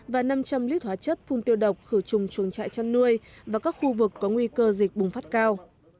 và năm trăm linh lít hóa chất phun tiêu độc khử trùng chuồng trại chăn nuôi và các khu vực có nguy cơ dịch bùng phát cao